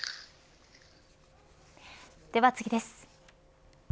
では次です。